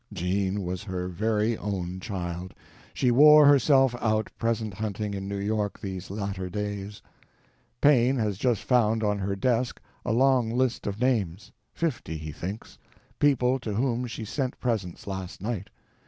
Jean was her very own child—she wore herself out present hunting in New York these latter days. Paine has just found on her desk a long list of names—fifty, he thinks—people to whom she sent presents last night.